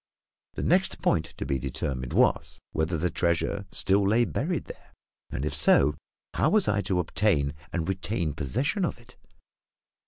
The next point to be determined was, whether the treasure still lay buried there; and if so, how was I to obtain and retain possession of it?